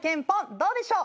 どうでしょう？